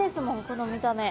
この見た目。